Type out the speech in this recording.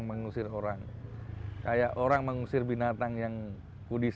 jadi kalau aku tuh sakit ini sakit hiv